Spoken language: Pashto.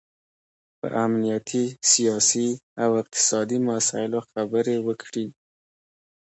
په امنیتي، سیاسي او اقتصادي مسایلو خبرې وکړي